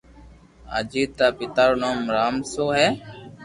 اجيت رآ پيتا رو نوم رامسو ھي